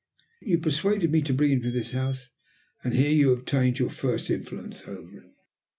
You persuaded me to bring him to this house, and here you obtained your first influence over him."